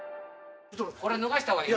これ脱がした方がいい。